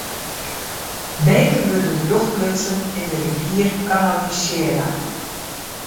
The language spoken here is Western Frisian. Beken wurde rjocht lutsen en de rivier kanalisearre.